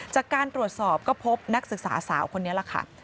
จากการตรวจสอบก็พบนักศึกษาสาวคนนี้แหละค่ะ